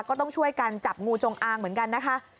ก็ต้องช่วยกันจับงูจงอางเหมือนกันนะคะ